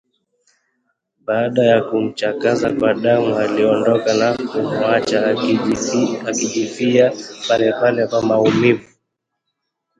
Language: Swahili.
Baada ya kumchakaza kwa damu aliondoka na kumwacha akijifia polepole kwa maumivu